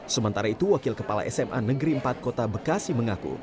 sementara itu wakil kepala sma negeri empat kota bekasi mengaku